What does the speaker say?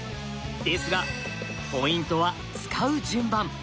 ですがポイントは使う順番。